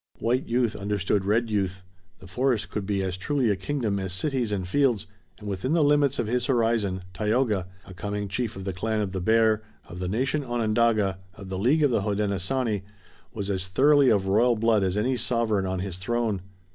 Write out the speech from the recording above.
White youth understood red youth. The forest could be as truly a kingdom as cities and fields, and within the limits of his horizon Tayoga, a coming chief of the clan of the Bear, of the nation Onondaga, of the League of the Hodenosaunee, was as thoroughly of royal blood as any sovereign on his throne.